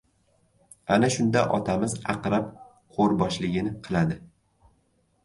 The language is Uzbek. Ana shunda otamiz Aqrab qo‘rboshiligini qiladi!